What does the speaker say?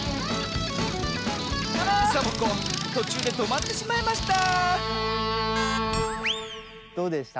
サボ子とちゅうでとまってしまいましたどうでした？